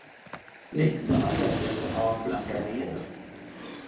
If the tests are successful